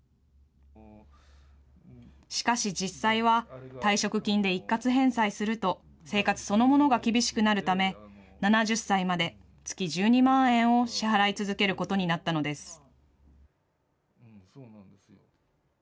しかし、実際は退職金で一括返済すると、生活そのものが厳しくなるため、７０歳まで月１２万円を支払い続けることになったのです。